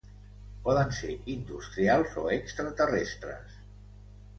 Poden ser industrials o extraterrestres.